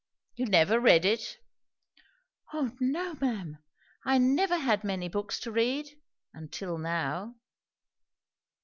"You never read it?" "O no, ma'am. I never had many books to read; until now."